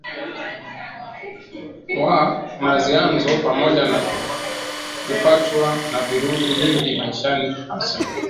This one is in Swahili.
wa Nazianzo Pamoja na kupatwa na vurugu nyingi maishani hasa